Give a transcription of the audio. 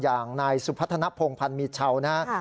อย่างนายสุภัทนพงษ์พลันมีชาวน่ะ